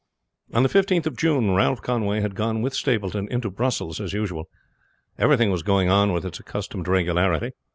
On the 15th of June, Ralph Conway had gone with Stapleton into Brussels as usual. Everything was going on with its accustomed regularity.